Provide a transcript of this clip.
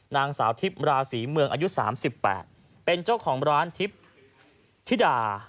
นางสาวทิพย์ราศีเมืองอายุ๓๘เป็นเจ้าของร้านทิพย์ธิดา